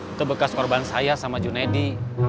itu bekas korban saya sama junedi